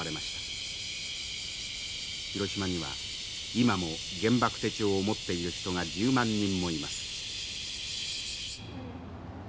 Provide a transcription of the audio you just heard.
広島には今も原爆手帳を持っている人が１０万人もいます。